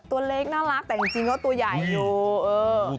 ตัวเล็กน่ารักแต่จริงก็ตัวใหญ่อยู่เออ